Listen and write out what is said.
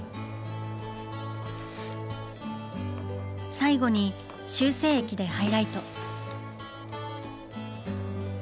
最後に修正液でハイライト。